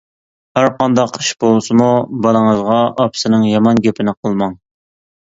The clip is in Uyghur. ھەر قانداق ئىش بولسىمۇ بالىڭىزغا ئاپىسىنىڭ يامان گېپىنى قىلماڭ.